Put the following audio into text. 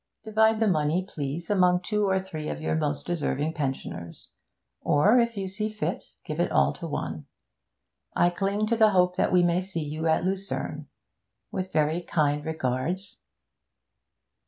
Divide the money, please, among two or three of your most deserving pensioners; or, if you see fit, give it all to one. I cling to the hope that we may see you at Lucerne. With very kind regards.